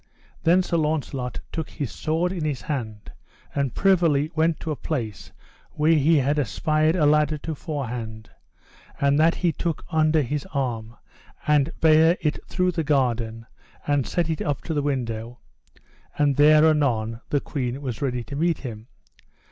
Then Sir Launcelot took his sword in his hand, and privily went to a place where he had espied a ladder to forehand, and that he took under his arm, and bare it through the garden, and set it up to the window, and there anon the queen was ready to meet him.